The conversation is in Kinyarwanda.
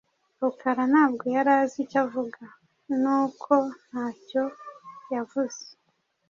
Rukara ntabwo yari azi icyo avuga, nuko ntacyo yavuze.